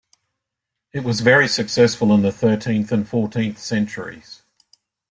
It was very successful in the thirteenth and fourteenth centuries.